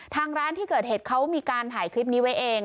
ทางร้านที่เกิดเหตุเขามีการถ่ายคลิปนี้ไว้เอง